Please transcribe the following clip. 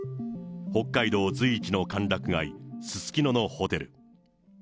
北海道随一の歓楽街、すすきののホテル。